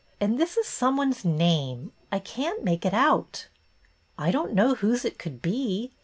And this is some one's name — I can't make it out." " I don't know whose it could be.